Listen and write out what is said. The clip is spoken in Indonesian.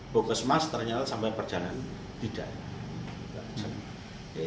bukas mas ternyata sampai perjalanan tidak